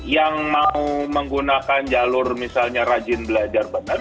yang mau menggunakan jalur misalnya rajin belajar benar